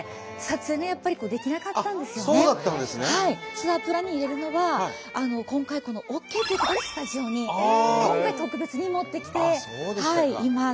ツアープランに入れるのは今回ＯＫということでスタジオに今回特別に持ってきています。